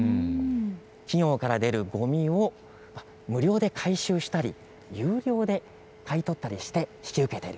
企業から出るごみを無料で回収したり、有料で買い取ったりして引き受けている。